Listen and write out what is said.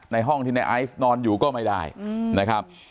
ในห้องที่ในไอซ์นอนอยู่ก็ไม่ได้